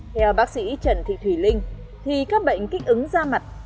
theo bác sĩ trần thị thùy linh thì các bệnh kích ứng da mặt